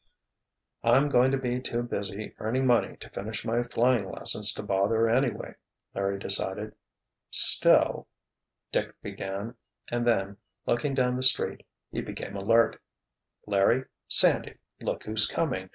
"I'm going to be too busy earning money to finish my flying lessons to bother, anyway," Larry decided. "Still—" Dick began, and then, looking down the street, he became alert. "Larry! Sandy! Look who's coming.